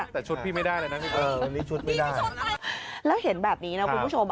แต่ชุดพี่ไม่ได้เลยนะพี่เบิร์ดแล้วเห็นแบบนี้นะคุณผู้ชม